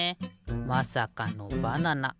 まさかのバナナ。